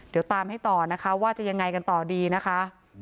เดี๋ยวตามให้ต่อนะคะว่าจะยังไงกันต่อดีนะคะ